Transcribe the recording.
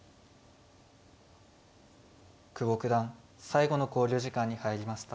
久保九段最後の考慮時間に入りました。